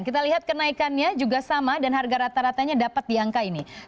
kita lihat kenaikannya juga sama dan harga rata ratanya dapat di angka ini